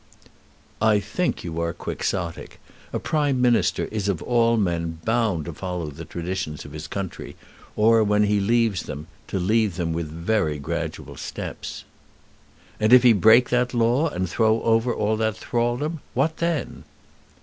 "I think you are Quixotic. A Prime Minister is of all men bound to follow the traditions of his country, or, when he leaves them, to leave them with very gradual steps." "And if he break that law and throw over all that thraldom; what then?"